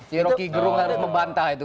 si roki gerung harus membantah itu